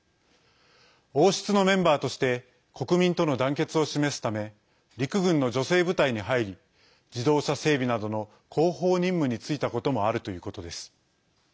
王室のメンバーとして国民との団結を示すため陸軍の女性部隊に入り自動車整備などの後方任務に就いたこともあるということです。